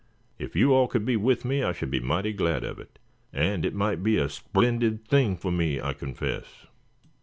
If you all could be with me, I should be mighty glad of it. And it might be a splendid thing foh me, I confess."